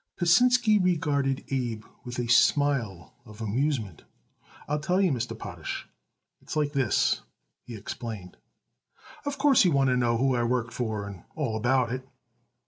Pasinsky regarded Abe with a smile of amusement. "I'll tell you, Mr. Potash, it's like this," he explained. "Of course you want to know who I worked for and all about it."